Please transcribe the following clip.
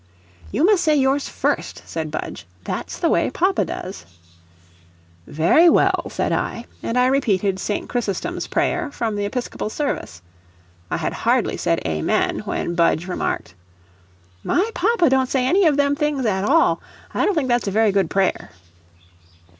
"You must say yours first," said Budge; "that's the way papa does." "Very well," said I, and I repeated St. Chrysostom's prayer, from the Episcopal service. I had hardly said "Amen," when Budge remarked: "My papa don't say any of them things at all; I don't think that's a very good prayer."